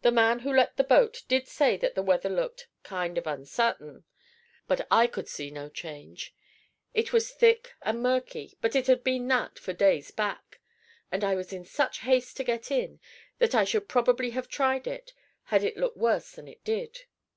The man who let the boat did say that the weather looked 'kind of unsartin,' but I could see no change; it was thick and murky, but it had been that for days back, and I was in such haste to get in, that I should probably have tried it had it looked worse than it did.